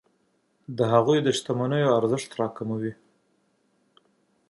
د هغوی د شتمنیو ارزښت راکموي.